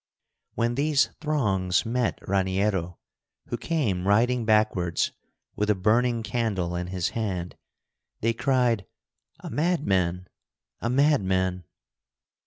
When these throngs met Raniero, who came riding backwards with a burning candle in his hand, they cried: "A madman, a madman!"